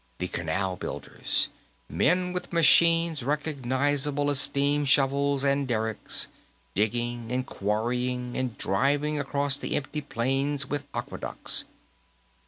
The Canal Builders men with machines recognizable as steam shovels and derricks, digging and quarrying and driving across the empty plains with aqueducts.